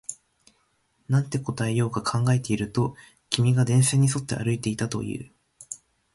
なんて答えようか考えていると、君が電線に沿って歩いていたと言う